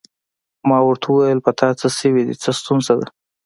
ما ورته وویل: په تا څه شوي دي؟ څه ستونزه ده؟